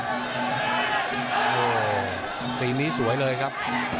โอ้โหตีนี้สวยเลยครับ